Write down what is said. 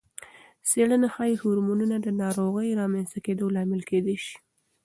څېړنې ښيي، هورمونونه د ناروغۍ رامنځته کېدو لامل کېدای شي.